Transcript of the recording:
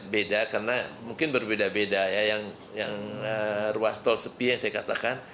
beda karena mungkin berbeda beda ya yang ruas tol sepi yang saya katakan